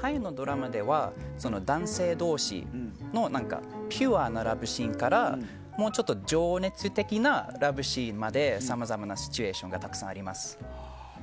タイのドラマでは男性同士のピュアなラブシーンからもうちょっと情熱的なラブシーンまでさまざまなシチュエーションがたくさんあります。